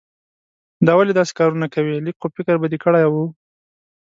دا ولې داسې کارونه کوې؟ لږ خو فکر به دې کړای وو.